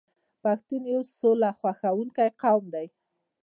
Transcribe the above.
پښتون یو سوله خوښوونکی قوم دی.